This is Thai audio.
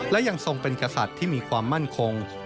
และยังทรงเป็นกษัตริย์ที่มีความมั่นคง